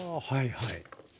はい。